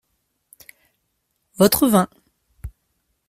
Votre vin.